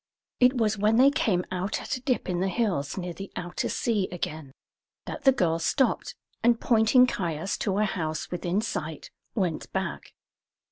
It was when they came out at a dip in the hills near the outer sea again that the girl stopped, and pointing Caius to a house within sight, went back.